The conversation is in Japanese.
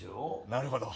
なるほど。